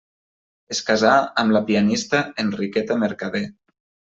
Es casà amb la pianista Enriqueta Mercader.